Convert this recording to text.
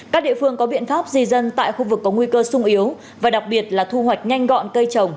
các địa phương có biện pháp di dân tại khu vực có nguy cơ sung yếu và đặc biệt là thu hoạch nhanh gọn cây trồng